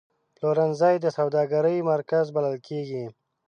پلورنځی د سوداګرۍ مرکز بلل کېږي.